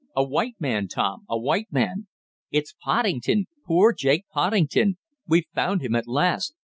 A white man, Tom! A white man!" "It's Poddington! Poor Jake Poddington. We've found him at last!